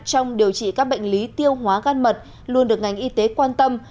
trong điều trị các bệnh lý tiêu hóa gan mật luôn được ngành y tế quan tâm